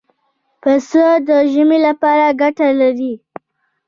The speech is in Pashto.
پسه د ژمې لپاره ګټه لري.